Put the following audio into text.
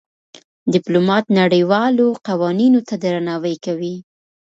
ډيپلومات نړېوالو قوانينو ته درناوی کوي.